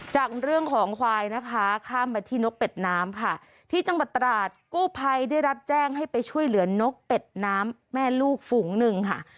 จากเรื่องของควายนะคะข้ามมาที่นกเป็ดน้ำค่ะที่จังหวัดตราดกู้ภัยได้รับแจ้งให้ไปช่วยเหลือนกเป็ดน้ำแม่ลูกฝูงหนึ่งค่ะ